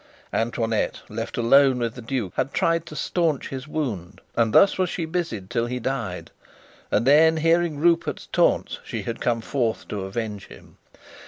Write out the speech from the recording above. Antoinette, left alone with the duke, had tried to stanch his wound, and thus was she busied till he died; and then, hearing Rupert's taunts, she had come forth to avenge him.